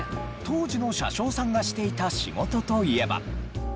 当時の車掌さんがしていた仕事といえば。